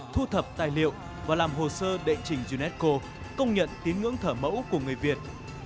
cung cấp tài liệu và làm hồ sơ đệnh trình unesco công nhận tiến ngưỡng thở mẫu của người việt